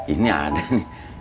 ini ada nih